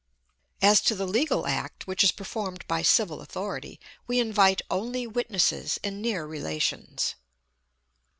As to the legal act, which is performed by civil authority, we invite only witnesses and near relations.